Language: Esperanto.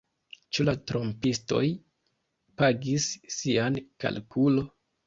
Ĉu la trompistoj pagis sian kalkulo